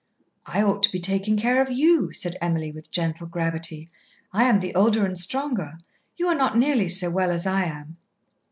"I ought to be taking care of you," said Emily, with gentle gravity. "I am the older and stronger. You are not nearly so well as I am."